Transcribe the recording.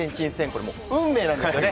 これ、運命なんですね。